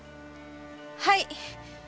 はい。